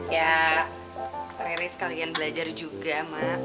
ya rele sekalian belajar juga mak